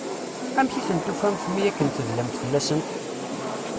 Amek i tent-tufamt mi akken i tedlamt fell-asent?